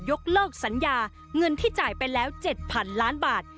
ยกเลิกสัญญาเงินที่จ่ายไปแล้ว๗๐๐๐ล้านบาท